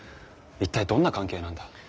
一体どんな関係なんだ？